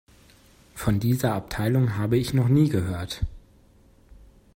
Von dieser Abteilung habe ich noch nie gehört.